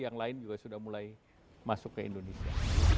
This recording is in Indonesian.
yang lain juga sudah mulai masuk ke indonesia